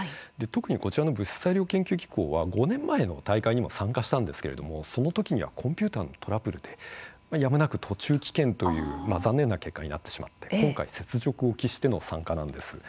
特に、こちらの物質・材料研究機構は５年前の大会にも参加したんですけれどもそのときにはコンピューターのトラブルでやむなく途中棄権という残念な結果になってしまって今回、雪辱を期しての参加なんです。